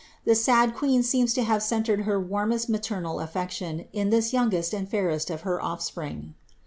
The sad queen seems to have cen tred her warmest maternal affection in this youngest and fairest of her of&pring.'